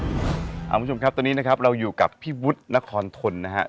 คุณผู้ชมครับตอนนี้นะครับเราอยู่กับพี่วุฒินครทนนะครับ